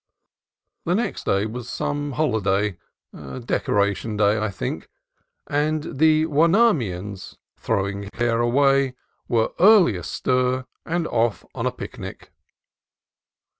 The next day was some holiday, — Decoration Day, I think, — and the Huenemans, throwing care away, were early astir and off on a picnic.